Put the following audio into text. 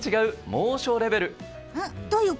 猛暑レベル。